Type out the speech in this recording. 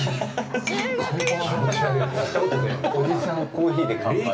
おじさん、コーヒーで乾杯。